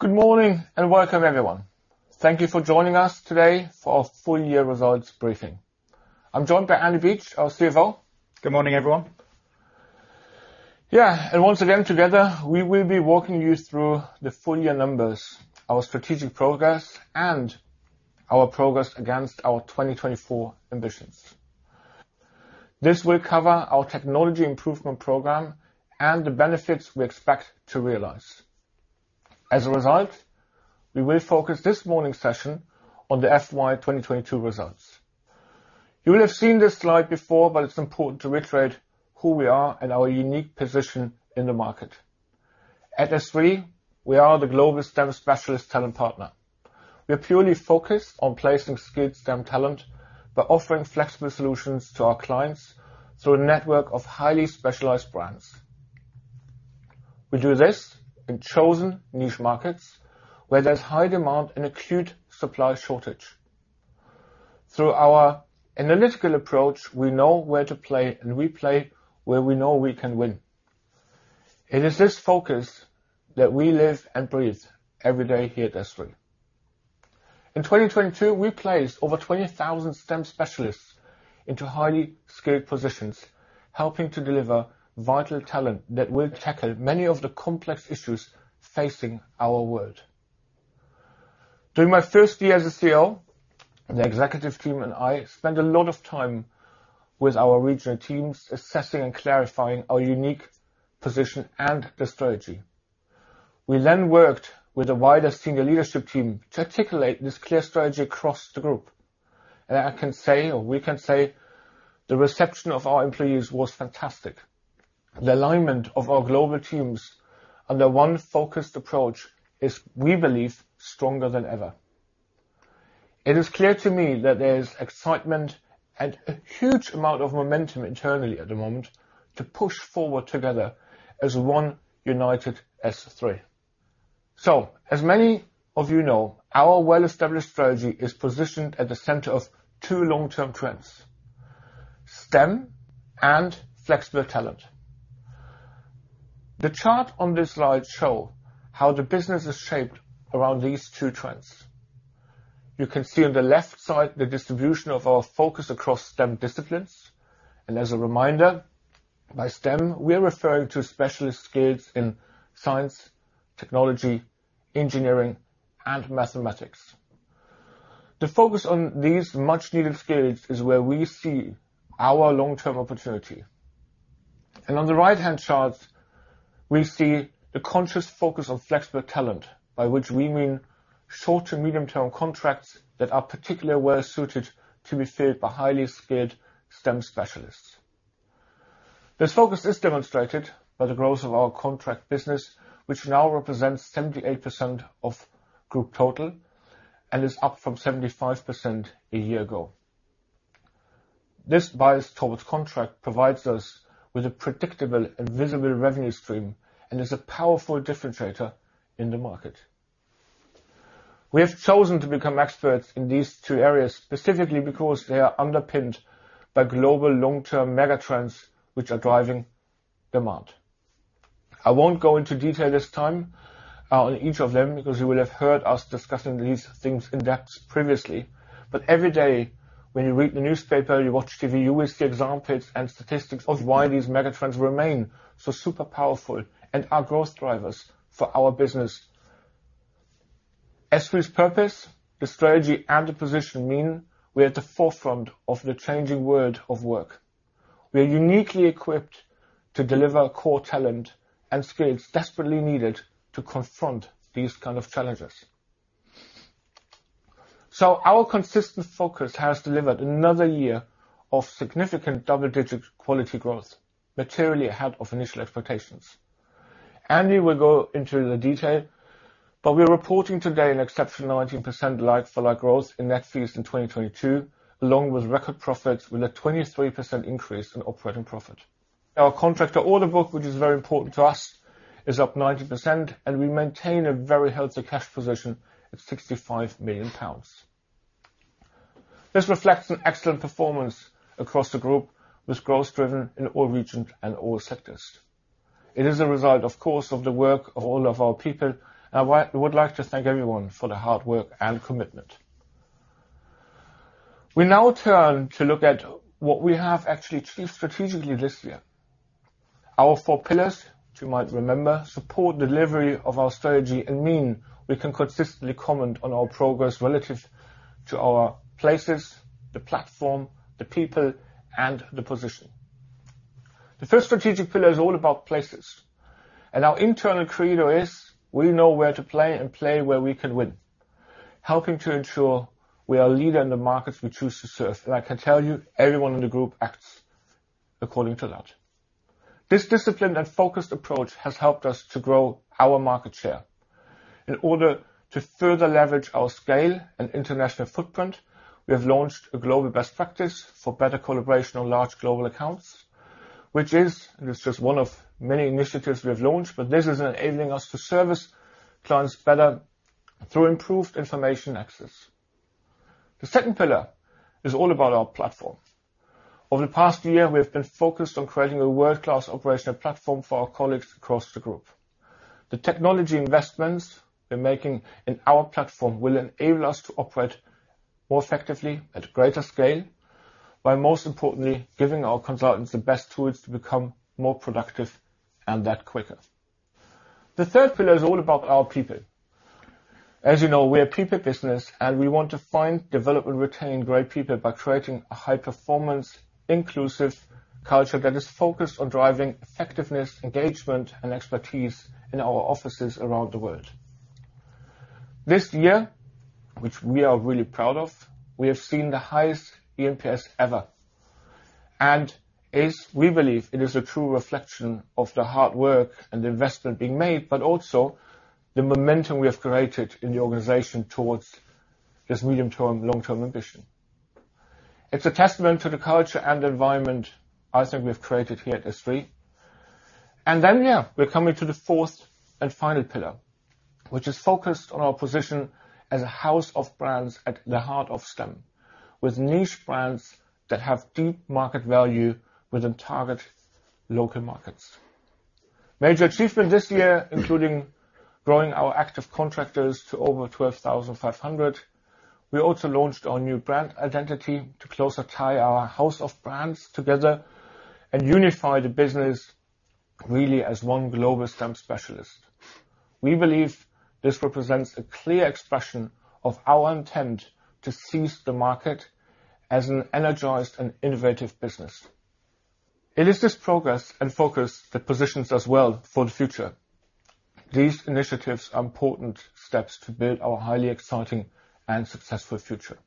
Good morning and welcome everyone. Thank you for joining us today for our full year results briefing. I'm joined by Andy Beach, our CFO. Good morning everyone. Yeah. Once again, together we will be walking you through the full year numbers, our strategic progress, and our progress against our 2024 ambitions. This will cover our Technology Improvement Program and the benefits we expect to realize. As a result, we will focus this morning session on the FY 2022 results. You will have seen this slide before. It's important to reiterate who we are and our unique position in the market. At SThree, we are the global STEM specialist talent partner. We are purely focused on placing skilled STEM talent by offering flexible solutions to our clients through a network of highly specialized brands. We do this in chosen niche markets where there's high demand and acute supply shortage. Through our analytical approach, we know where to play. We play where we know we can win. It is this focus that we live and breathe every day here at SThree. In 2022, we placed over 20,000 STEM specialists into highly skilled positions, helping to deliver vital talent that will tackle many of the complex issues facing our world. During my first year as a CEO, the executive team and I spent a lot of time with our regional teams assessing and clarifying our unique position and the strategy. We worked with the wider senior leadership team to articulate this clear strategy across the group. I can say, or we can say, the reception of our employees was fantastic. The alignment of our global teams under one focused approach is, we believe, stronger than ever. It is clear to me that there is excitement and a huge amount of momentum internally at the moment to push forward together as one united SThree. As many of you know, our well-established strategy is positioned at the center of two long-term trends: STEM and flexible talent. The chart on this slide show how the business is shaped around these two trends. You can see on the left side the distribution of our focus across STEM disciplines. As a reminder, by STEM, we are referring to specialist skills in science, technology, engineering, and mathematics. The focus on these much-needed skills is where we see our long-term opportunity. On the right-hand chart, we see the conscious focus on flexible talent, by which we mean short to medium term contracts that are particularly well-suited to be filled by highly skilled STEM specialists. This focus is demonstrated by the growth of our contract business, which now represents 78% of group total and is up from 75% a year ago. This bias towards contract provides us with a predictable and visible revenue stream and is a powerful differentiator in the market. We have chosen to become experts in these two areas, specifically because they are underpinned by global long-term megatrends which are driving demand. I won't go into detail this time on each of them because you will have heard us discussing these things in depth previously. Every day when you read the newspaper, you watch TV, you will see examples and statistics of why these megatrends remain so super powerful and are growth drivers for our business. SThree's purpose, the strategy, and the position mean we are at the forefront of the changing world of work. We are uniquely equipped to deliver core talent and skills desperately needed to confront these kind of challenges. Our consistent focus has delivered another year of significant double-digit quality growth, materially ahead of initial expectations. Andy will go into the detail, but we're reporting today an exceptional 19% like-for-like growth in net fees in 2022, along with record profits with a 23% increase in operating profit. Our contractor order book, which is very important to us, is up 90% and we maintain a very healthy cash position at 65 million pounds. This reflects an excellent performance across the group with growth driven in all regions and all sectors. It is a result, of course, of the work of all of our people. I would like to thank everyone for the hard work and commitment. We now turn to look at what we have actually achieved strategically this year. Our four pillars, which you might remember, support delivery of our strategy and mean we can consistently comment on our progress relative to our places, the platform, the people, and the position. The first strategic pillar is all about places, our internal credo is, "We know where to play and play where we can win," helping to ensure we are a leader in the markets we choose to serve. I can tell you, everyone in the group acts according to that. This disciplined and focused approach has helped us to grow our market share. In order to further leverage our scale and international footprint, we have launched a global best practice for better collaboration on large global accounts. It's just one of many initiatives we have launched, but this is enabling us to service clients better through improved information access. The second pillar is all about our platform. Over the past year, we have been focused on creating a world-class operational platform for our colleagues across the group. The technology investments we're making in our platform will enable us to operate more effectively at greater scale by most importantly giving our consultants the best tools to become more productive and that quicker. The third pillar is all about our people. As you know, we're a people business. We want to find, develop, and retain great people by creating a high-performance, inclusive culture that is focused on driving effectiveness, engagement, and expertise in our offices around the world. This year, which we are really proud of, we have seen the highest eNPS ever. As we believe it is a true reflection of the hard work and the investment being made, but also the momentum we have created in the organization towards this medium-term, long-term ambition. It's a testament to the culture and environment I think we've created here at SThree. Yeah, we're coming to the fourth and final pillar, which is focused on our position as a house of brands at the heart of STEM, with niche brands that have deep market value within target local markets. Major achievement this year, including growing our active contractors to over 12,500. We also launched our new brand identity to closer tie our house of brands together and unify the business really as one global STEM specialist. We believe this represents a clear expression of our intent to seize the market as an energized and innovative business. It is this progress and focus that positions us well for the future. These initiatives are important steps to build our highly exciting and successful future.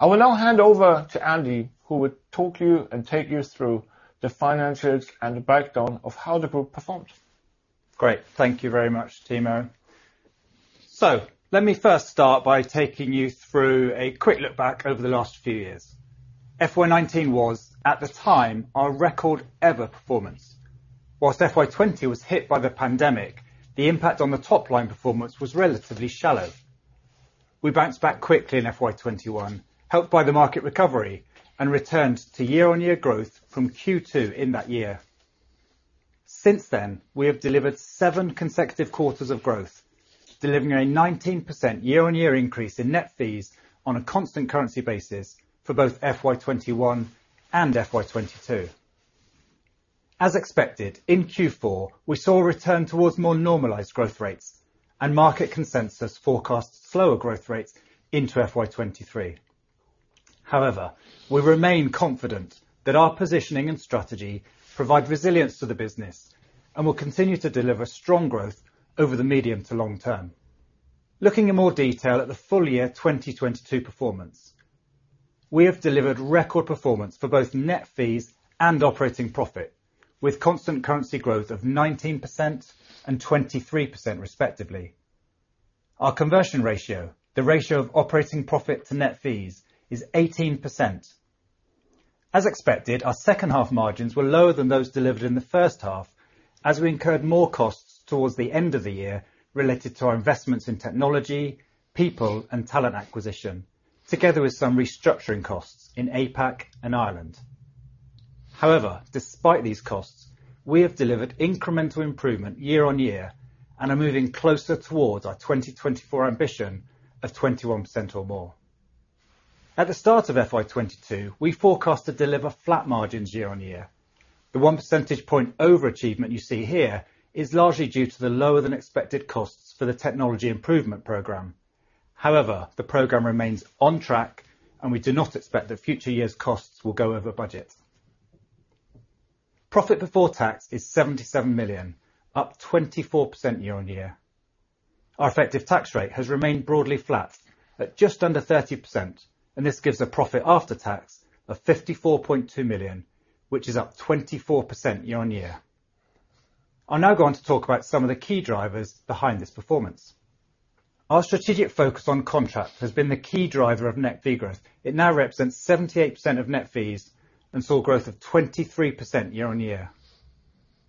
I will now hand over to Andy, who will talk you and take you through the financials and the breakdown of how the group performed. Great. Thank you very much, Timo. Let me first start by taking you through a quick look back over the last few years. FY 2019 was, at the time, our record ever performance. Whilst FY 2020 was hit by the pandemic, the impact on the top-line performance was relatively shallow. We bounced back quickly in FY 2021, helped by the market recovery and returned to year-on-year growth from Q2 in that year. Since then, we have delivered seven consecutive quarters of growth, delivering a 19% year-on-year increase in net fees on a constant currency basis for both FY 2021 and FY 2022. As expected, in Q4, we saw a return towards more normalized growth rates and market consensus forecasts slower growth rates into FY 2023. We remain confident that our positioning and strategy provide resilience to the business and will continue to deliver strong growth over the medium to long term. Looking in more detail at the full year 2022 performance, we have delivered record performance for both net fees and operating profit, with constant currency growth of 19% and 23%, respectively. Our conversion ratio, the ratio of operating profit to net fees, is 18%. As expected, our second half margins were lower than those delivered in the first half as we incurred more costs towards the end of the year related to our investments in technology, people, and talent acquisition, together with some restructuring costs in APAC and Ireland. Despite these costs, we have delivered incremental improvement year-on-year and are moving closer towards our 2024 ambition of 21% or more. At the start of FY 2022, we forecast to deliver flat margins year-on-year. The 1 percentage point overachievement you see here is largely due to the lower than expected costs for the Technology Improvement Program. However, the program remains on track, and we do not expect that future years costs will go over budget. Profit before tax is 77 million, up 24% year-on-year. Our effective tax rate has remained broadly flat at just under 30%, and this gives a profit after tax of 54.2 million, which is up 24% year-on-year. I'll now go on to talk about some of the key drivers behind this performance. Our strategic focus on contract has been the key driver of net fee growth. It now represents 78% of net fees and saw growth of 23% year-on-year.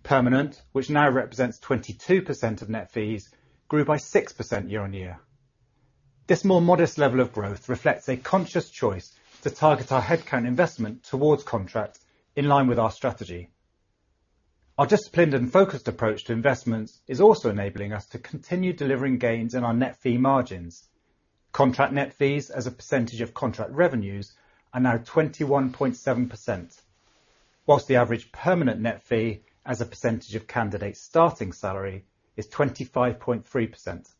Permanent, which now represents 22% of net fees, grew by 6% year-over-year. This more modest level of growth reflects a conscious choice to target our headcount investment towards contract in line with our strategy. Our disciplined and focused approach to investments is also enabling us to continue delivering gains in our net fee margins. Contract net fees as a percentage of contract revenues are now 21.7%, whilst the average permanent net fee as a percentage of candidate's starting salary is 25.3%.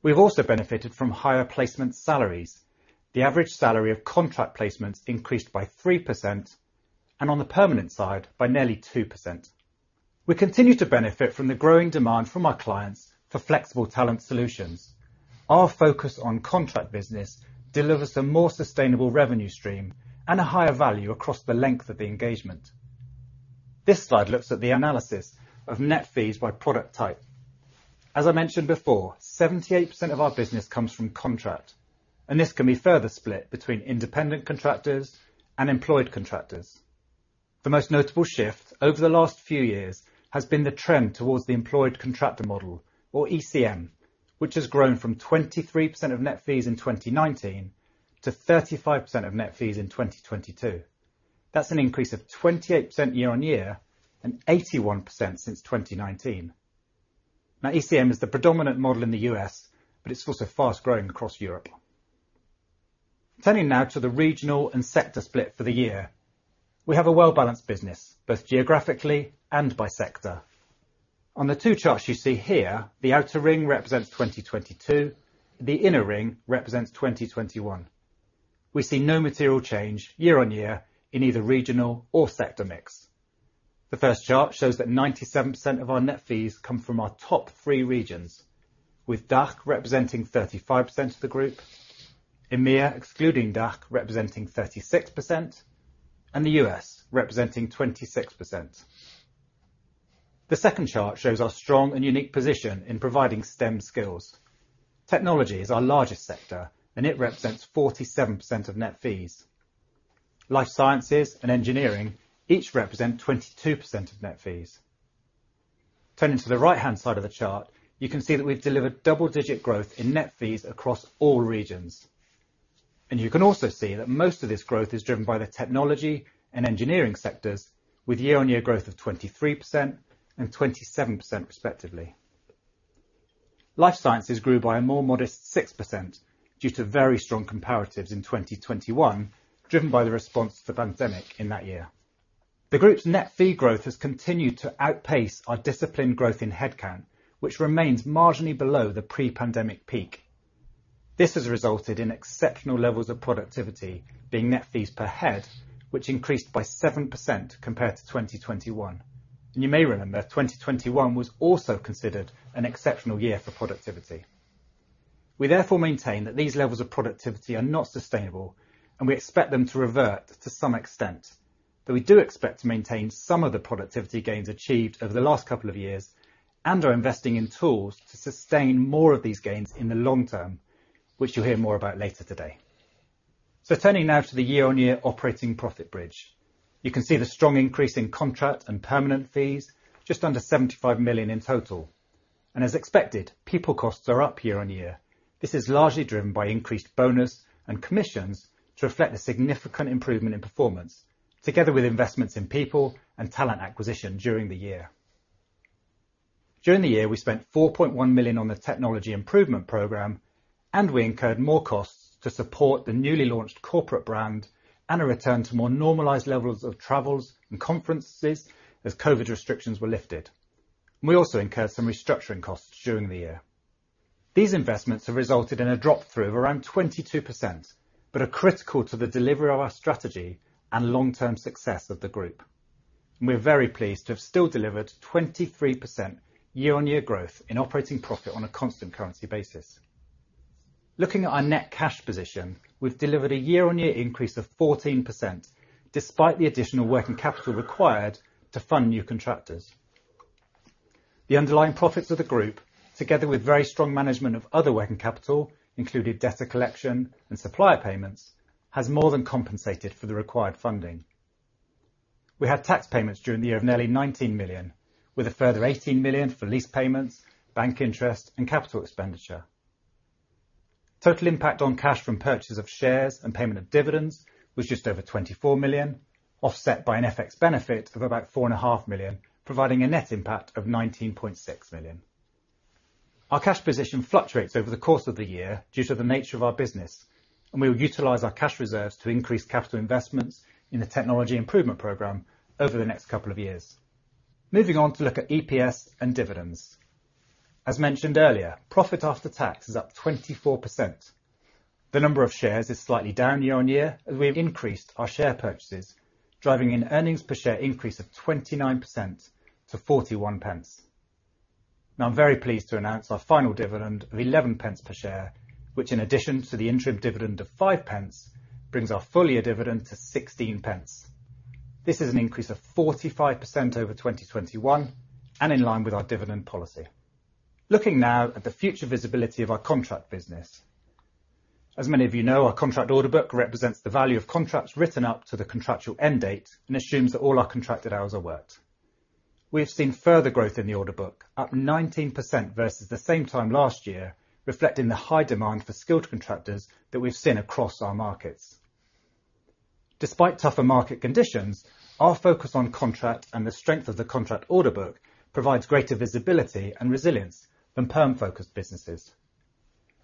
We've also benefited from higher placement salaries. The average salary of contract placements increased by 3%, and on the permanent side, by nearly 2%. We continue to benefit from the growing demand from our clients for flexible talent solutions. Our focus on contract business delivers a more sustainable revenue stream and a higher value across the length of the engagement. This slide looks at the analysis of net fees by product type. As I mentioned before, 78% of our business comes from contract, and this can be further split between independent contractors and employed contractors. The most notable shift over the last few years has been the trend towards the Employed Contractor Model or ECM, which has grown from 23% of net fees in 2019 to 35% of net fees in 2022. That's an increase of 28% year-on-year and 81% since 2019. ECM is the predominant model in the U.S., but it's also fast-growing across Europe. Turning now to the regional and sector split for the year. We have a well-balanced business, both geographically and by sector. On the two charts you see here, the outer ring represents 2022, the inner ring represents 2021. We see no material change year-on-year in either regional or sector mix. The first chart shows that 97% of our net fees come from our top three regions, with DACH representing 35% of the group, EMEA excluding DACH representing 36%, and the U.S. representing 26%. The second chart shows our strong and unique position in providing STEM skills. Technology is our largest sector, and it represents 47% of net fees. Life sciences and engineering each represent 22% of net fees. Turning to the right-hand side of the chart, you can see that we've delivered double-digit growth in net fees across all regions. You can also see that most of this growth is driven by the technology and engineering sectors with year-on-year growth of 23% and 27% respectively. Life sciences grew by a more modest 6% due to very strong comparatives in 2021, driven by the response to the pandemic in that year. The group's net fee growth has continued to outpace our disciplined growth in headcount, which remains marginally below the pre-pandemic peak. This has resulted in exceptional levels of productivity being net fees per head, which increased by 7% compared to 2021. You may remember, 2021 was also considered an exceptional year for productivity. We therefore maintain that these levels of productivity are not sustainable, and we expect them to revert to some extent. We do expect to maintain some of the productivity gains achieved over the last couple of years and are investing in tools to sustain more of these gains in the long term, which you'll hear more about later today. Turning now to the year-on-year operating profit bridge. You can see the strong increase in contract and permanent fees, just under 75 million in total. As expected, people costs are up year-on-year. This is largely driven by increased bonus and commissions to reflect the significant improvement in performance together with investments in people and talent acquisition during the year. During the year, we spent 4.1 million on the Technology Improvement Program, and we incurred more costs to support the newly launched corporate brand and a return to more normalized levels of travels and conferences as COVID restrictions were lifted. We also incurred some restructuring costs during the year. These investments have resulted in a drop-through of around 22%, but are critical to the delivery of our strategy and long-term success of the group. We are very pleased to have still delivered 23% year-on-year growth in operating profit on a constant currency basis. Looking at our net cash position, we've delivered a year-on-year increase of 14% despite the additional working capital required to fund new contractors. The underlying profits of the group, together with very strong management of other working capital, including debtor collection and supplier payments has more than compensated for the required funding. We had tax payments during the year of nearly 19 million, with a further 18 million for lease payments, bank interest, and capital expenditure. Total impact on cash from purchases of shares and payment of dividends was just over 24 million, offset by an FX benefit of about 4.5 million, providing a net impact of 19.6 million. Our cash position fluctuates over the course of the year due to the nature of our business, and we will utilize our cash reserves to increase capital investments in the Technology Improvement Program over the next couple of years. Moving on to look at EPS and dividends. As mentioned earlier, profit after tax is up 24%. The number of shares is slightly down year-on-year as we have increased our share purchases, driving an earnings per share increase of 29% to 0.41. Now I'm very pleased to announce our final dividend of 0.11 per share, which in addition to the interim dividend of 0.05, brings our full year dividend to 0.16. This is an increase of 45% over 2021 and in line with our dividend policy. Looking now at the future visibility of our contract business. As many of you know, our contract order book represents the value of contracts written up to the contractual end date and assumes that all our contracted hours are worked. We have seen further growth in the order book, up 19% versus the same time last year, reflecting the high demand for skilled contractors that we've seen across our markets. Despite tougher market conditions, our focus on contract and the strength of the contract order book provides greater visibility and resilience than perm-focused businesses.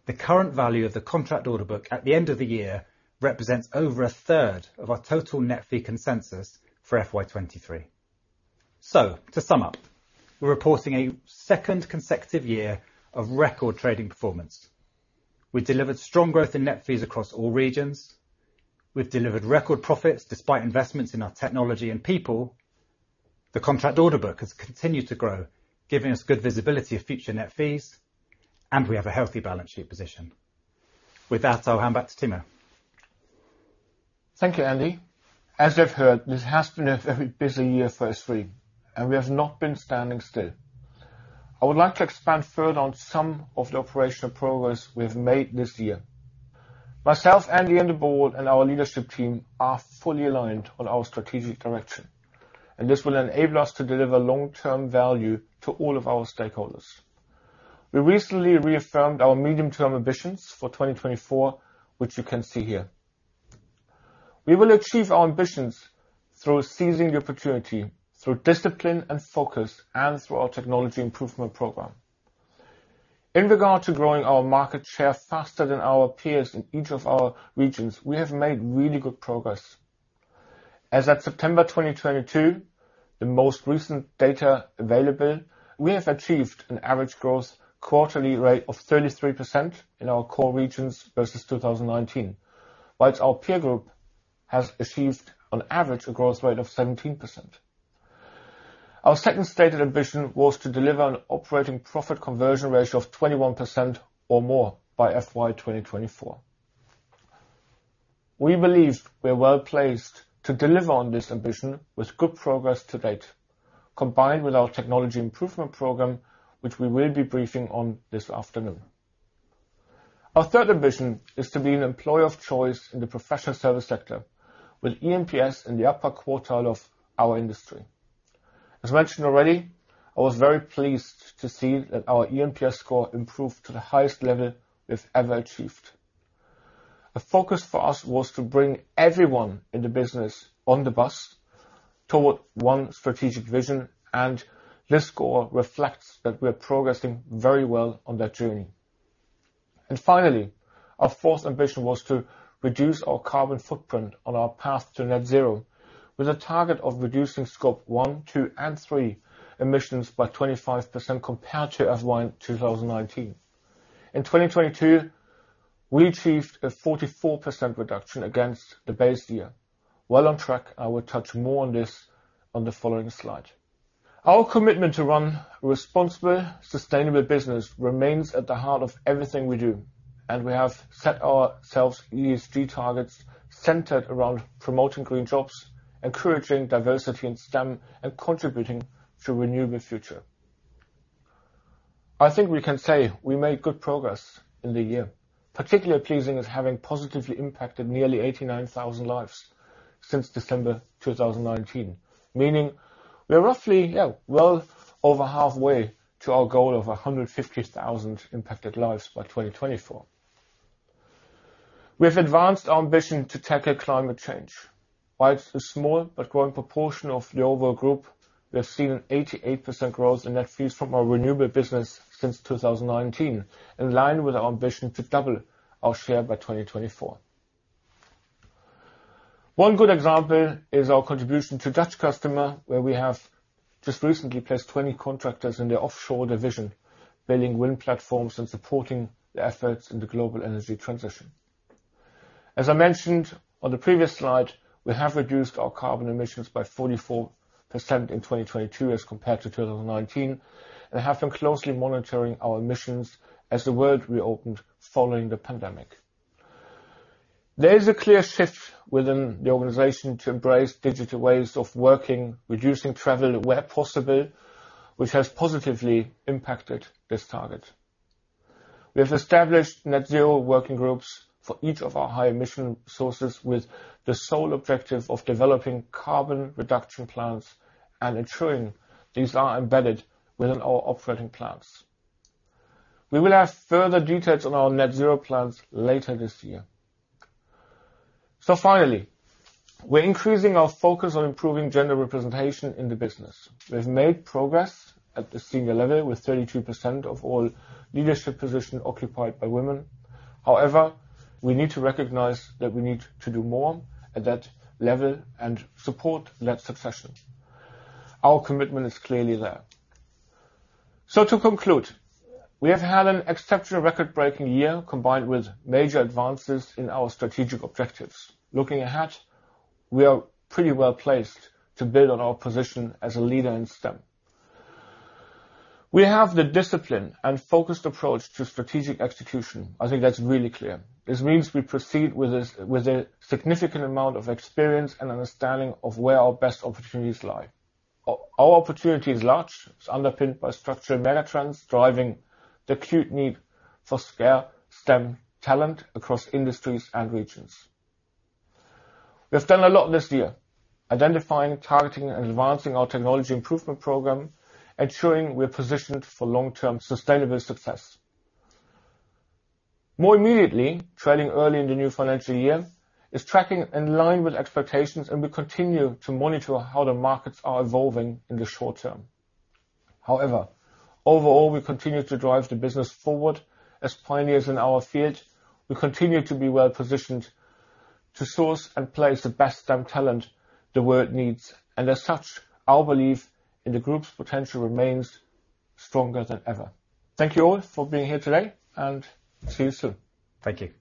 The current value of the contract order book at the end of the year represents over 1/3 of our total net fee consensus for FY 2023. To sum up, we're reporting a second consecutive year of record trading performance. We delivered strong growth in net fees across all regions. We've delivered record profits despite investments in our technology and people. The contract order book has continued to grow, giving us good visibility of future net fees, and we have a healthy balance sheet position. With that, I'll hand back to Timo. Thank you, Andy. As you've heard, this has been a very busy year for SThree. We have not been standing still. I would like to expand further on some of the operational progress we have made this year. Myself and the board and our leadership team are fully aligned on our strategic direction. This will enable us to deliver long-term value to all of our stakeholders. We recently reaffirmed our medium-term ambitions for 2024, which you can see here. We will achieve our ambitions through seizing the opportunity, through discipline and focus, and through our Technology Improvement Program. In regard to growing our market share faster than our peers in each of our regions, we have made really good progress. As at September 2022, the most recent data available, we have achieved an average growth quarterly rate of 33% in our core regions versus 2019. Our peer group has achieved on average a growth rate of 17%. Our second stated ambition was to deliver an operating profit conversion ratio of 21% or more by FY 2024. We believe we are well-placed to deliver on this ambition with good progress to date, combined with our Technology Improvement Program, which we will be briefing on this afternoon. Our third ambition is to be an employer of choice in the professional service sector with eNPS in the upper quartile of our industry. As mentioned already, I was very pleased to see that our eNPS score improved to the highest level we've ever achieved. Our focus for us was to bring everyone in the business on the bus toward one strategic vision. This score reflects that we are progressing very well on that journey. Finally, our fourth ambition was to reduce our carbon footprint on our path to net zero with a target of reducing Scope 1, 2, and 3 emissions by 25% compared to FY 2019. In 2022, we achieved a 44% reduction against the base year. Well on track, I will touch more on this on the following slide. Our commitment to run responsible, sustainable business remains at the heart of everything we do. We have set ourselves ESG targets centered around promoting green jobs, encouraging diversity in STEM, and contributing to a renewable future. I think we can say we made good progress in the year. Particularly pleasing is having positively impacted nearly 89,000 lives since December 2019. Meaning we are roughly, yeah, well over halfway to our goal of 150,000 impacted lives by 2024. We have advanced our ambition to tackle climate change. While it's a small but growing proportion of the overall group, we have seen an 88% growth in net fees from our renewable business since 2019, in line with our ambition to double our share by 2024. One good example is our contribution to Dutch customer, where we have just recently placed 20 contractors in the offshore division, building wind platforms and supporting the efforts in the global energy transition. As I mentioned on the previous slide, we have reduced our carbon emissions by 44% in 2022 as compared to 2019 and have been closely monitoring our emissions as the world reopened following the pandemic. There is a clear shift within the organization to embrace digital ways of working, reducing travel where possible, which has positively impacted this target. We have established net zero working groups for each of our high-emission sources with the sole objective of developing carbon reduction plans and ensuring these are embedded within our operating plans. We will have further details on our net zero plans later this year. Finally, we're increasing our focus on improving gender representation in the business. We've made progress at the senior level with 32% of all leadership position occupied by women. However, we need to recognize that we need to do more at that level and support that succession. Our commitment is clearly there. To conclude, we have had an exceptional record-breaking year combined with major advances in our strategic objectives. Looking ahead, we are pretty well-placed to build on our position as a leader in STEM. We have the discipline and focused approach to strategic execution. I think that's really clear. This means we proceed with a significant amount of experience and understanding of where our best opportunities lie. Our opportunity is large. It's underpinned by structural mega trends driving the acute need for STEM talent across industries and regions. We've done a lot this year identifying, targeting, and advancing our Technology Improvement Program, ensuring we're positioned for long-term sustainable success. More immediately, trading early in the new financial year is tracking in line with expectations, and we continue to monitor how the markets are evolving in the short term. However, overall, we continue to drive the business forward. As pioneers in our field, we continue to be well-positioned to source and place the best STEM talent the world needs, and as such, our belief in the group's potential remains stronger than ever. Thank you all for being here today, and see you soon. Thank you.